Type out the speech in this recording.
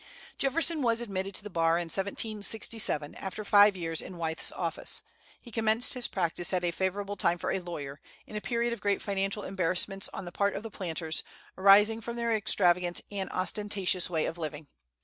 Jefferson was admitted to the bar in 1767, after five years in Wythe's office. He commenced his practice at a favorable time for a lawyer, in a period of great financial embarrassments on the part of the planters, arising from their extravagant and ostentatious way of living.